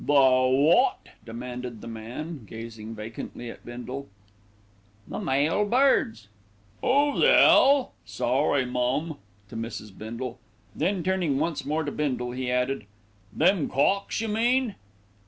"The wot?" demanded the man, gazing vacantly at Bindle. "The male birds." "'Oo the 'ell sorry, mum," to Mrs. Bindle. Then turning once more to Bindle he added, "Them cocks, you mean?"